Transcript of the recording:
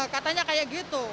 katanya kayak gitu